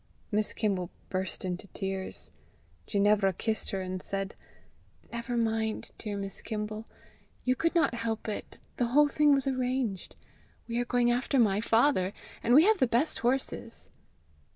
Miss Kimble burst into tears. Ginevra kissed her, and said, "Never mind, dear Miss Kimble. You could not help it. The whole thing was arranged. We are going after my father, and we have the best horses."